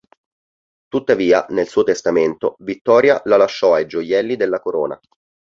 Tuttavia, nel suo testamento, Vittoria la lasciò ai gioielli della corona.